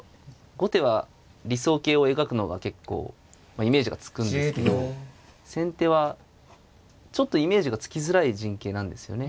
後手は理想型を描くのが結構イメージがつくんですけど先手はちょっとイメージがつきづらい陣形なんですよね。